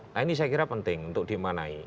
nah ini saya kira penting untuk dimanai